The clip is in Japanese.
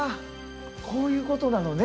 こういうことなのね。